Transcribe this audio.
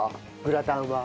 グラタンは。